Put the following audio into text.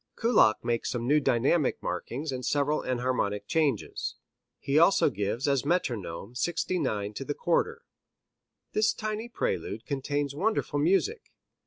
Kullak makes some new dynamic markings and several enharmonic changes. He also gives as metronome 69 to the quarter. This tiny prelude contains wonderful music.